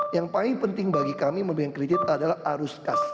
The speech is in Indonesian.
yang paling penting bagi kami memberikan kredit adalah arus kas